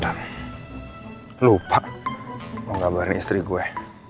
saya lupa menggabarin istri gue